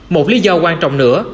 một lý do quan trọng nữa